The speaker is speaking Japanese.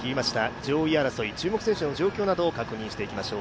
上位争い、注目選手の状況などを確認しておきましょう。